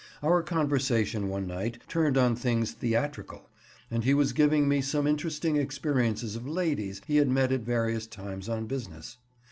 Our conversation one night turned on things theatrical, and he was giving me some interesting experiences of the "ladies" he had met at various times on business.